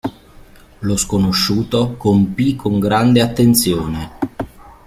Lo sconosciuto compì con grande attenzione.